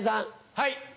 はい。